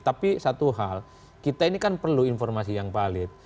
tapi satu hal kita ini kan perlu informasi yang valid